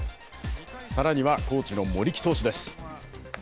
更には高知の森木投手です。